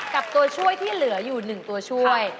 ตัวช่วยที่เหลืออยู่๑ตัวช่วย